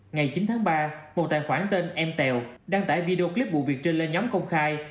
ngày chín tháng ba một tài khoản tên mèo đăng tải video clip vụ việc trên lên nhóm công khai